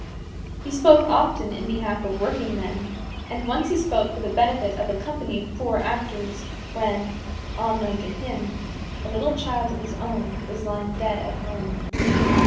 He spoke often in behalf of workingmen, and once he spoke for the benefit of a company of poor actors, when, unknown to him, a little child of his own was lying dead at home.